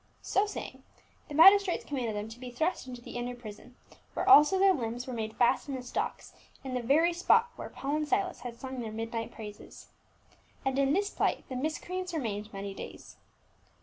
So saying, the magistrates commanded them to be thrust into the inner prison, where also their limbs were made fast in the stocks, in the very spot where Paul and Silas had sung their midnight praises.* And in this plight the miscreants remained many days.